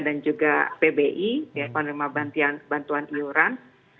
dan juga pbi penerima bantuan iuran